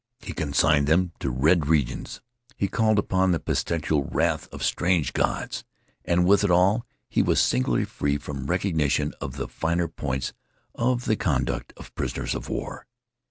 He consigned them to red regions; he called upon the pestilential wrath of strange gods. And with it all he was singularly free from recognition of the finer points of the conduct of prisoners of war.